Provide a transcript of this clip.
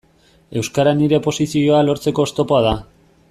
Euskara nire oposizioa lortzeko oztopoa da.